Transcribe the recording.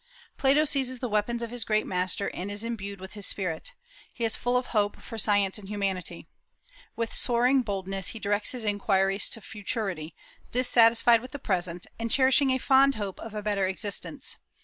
Plato seizes the weapons of his great master, and is imbued with his spirit. He is full of hope for science and humanity. With soaring boldness he directs his inquiries to futurity, dissatisfied with the present, and cherishing a fond hope of a better existence.